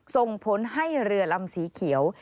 ส่งผลให้เรือลำสีเขียว